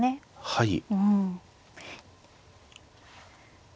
はい。